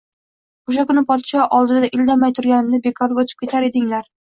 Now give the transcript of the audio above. O‘sha kuni podsho oldida indamay turganimda bekorga o‘lib ketar edinglar